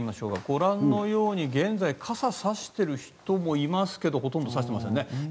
ご覧のように現在傘を差している人もいますけどほとんど差していませんね。